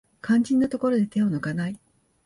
肝心なところで手を抜かない